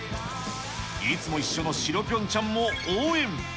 いつも一緒のしろぴょんちゃんも応援。